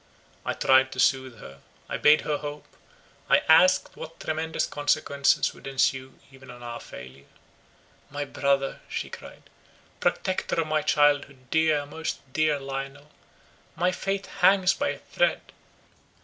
I tried to soothe her; I bade her hope; I asked what tremendous consequences would ensue even on our failure. "My brother," she cried, "protector of my childhood, dear, most dear Lionel, my fate hangs by a thread.